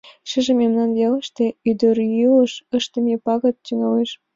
Шыжым мемнан велыште ӱдырйӱыш ыштыме пагыт тӱҥалеш.